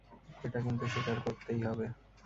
এটা কিন্তু স্বীকার করতেই হবে।